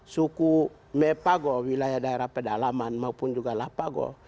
suku mepago wilayah daerah pedalaman maupun juga lapago